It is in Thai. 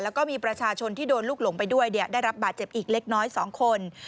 แล้วก็มีประชาชนที่โดนลูกหลงไปด้วยได้รับบาดเจ็บอีกเล็กน้อย๒คน